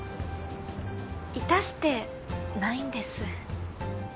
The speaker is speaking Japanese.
致してないんです。